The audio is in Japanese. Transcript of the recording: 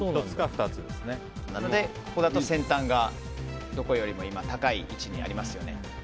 ここだと先端がどこよりも高い位置にありますよね。